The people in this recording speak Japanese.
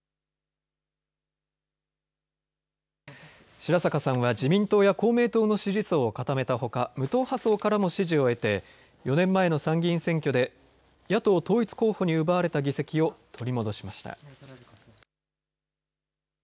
白坂さんは自民党や公明党の支持層を固めたほか無党派層からも支持を得て４年前の参議院選挙で野党統一候補に奪われた議席を取り戻しました。